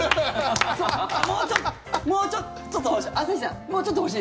もうちょっともうちょっと欲しい！